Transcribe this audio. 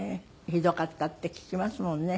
ひどかったって聞きますもんね。